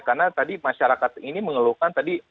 karena tadi masyarakat ini mengeluhkan tadi